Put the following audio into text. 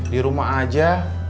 di rumah aja